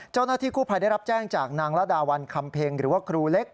เจ้าหน้าที่กู้ภัยได้รับแจ้งจากนางระดาวันคำเพ็งหรือว่าครูเล็ก